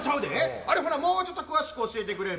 あれ、ほなもうちょっと詳しく教えてくれる？